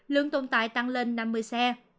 lượng tồn tại tăng lên năm mươi xe